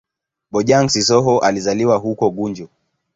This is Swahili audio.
Bojang-Sissoho alizaliwa huko Gunjur.